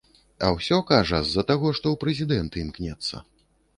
А ўсё, кажа, з-за таго, што ў прэзідэнты імкнецца.